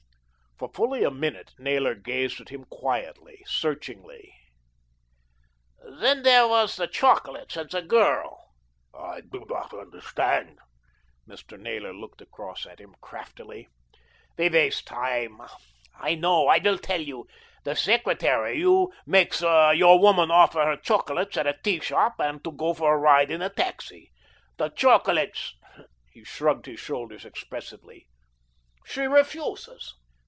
For fully a minute Naylor gazed at him quietly, searchingly. "There was then the chocolates and the girl." "I do not understand." Mr. Naylor looked across at him craftily. "We waste time, I know. I will tell you. The secretary, you make your woman offer her chocolates at a tea shop, and to go for a ride in a taxi. The chocolates " He shrugged his shoulders expressively. "She refuses.